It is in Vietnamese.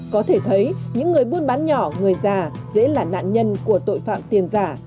có thể thấy những người buôn bán nhỏ người già dễ là nạn nhân của tội phạm tiền giả